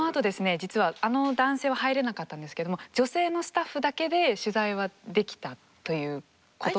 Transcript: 実はあの男性は入れなかったんですけども女性のスタッフだけで取材はできたという。